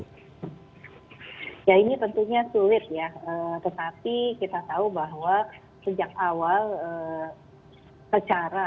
ya ini tentunya sulit ya